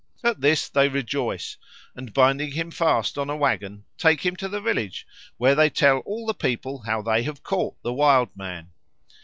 At this they rejoice, and, binding him fast on a waggon, take him to the village, where they tell all the people how they have caught the Wild Man.